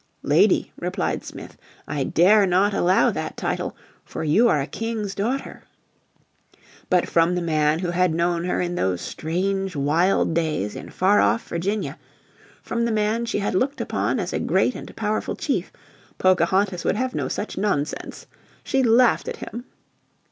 "Lady," replied Smith, "I dare not allow that title, for you are a King's daughter." But from the man who had known her in those strange, wild days in far off Virginia, from the man she had looked upon as a great and powerful chief, Pocahontas would have no such nonsense. She laughed at him.